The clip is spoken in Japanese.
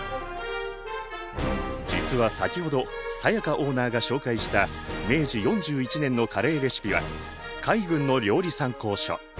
実は先ほど才加オーナーが紹介した明治４１年のカレーレシピは海軍の料理参考書。